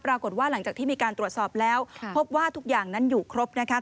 ปรากฏว่าหลังจากที่มีการตรวจสอบแล้วพบว่าทุกอย่างนั้นอยู่ครบนะคะ